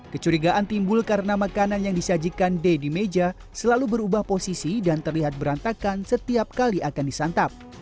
kecurigaan timbul karena makanan yang disajikan d di meja selalu berubah posisi dan terlihat berantakan setiap kali akan disantap